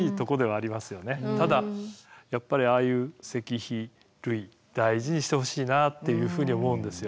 ただやっぱりああいう石碑類大事にしてほしいなっていうふうに思うんですよ。